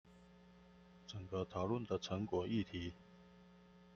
整個討論的成果丶議題